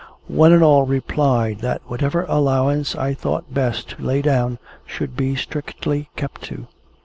One and all replied that whatever allowance I thought best to lay down should be strictly kept to.